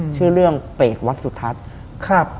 ชื่อเรื่องเปรกวัดสุทัศน์